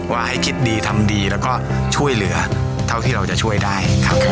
ว่าให้คิดดีทำดีแล้วก็ช่วยเหลือเท่าที่เราจะช่วยได้ครับ